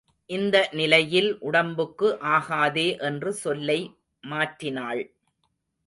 இந்த நிலையில் உடம்புக்கு ஆகாதே என்று சொல்லை மாற்றினாள்.